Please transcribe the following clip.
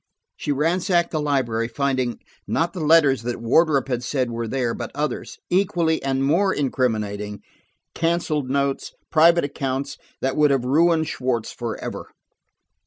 She ransacked the library, finding, not the letters that Wardrop had said were there, but others, equally or more incriminating, canceled notes, private accounts, that would have ruined Schwartz for ever.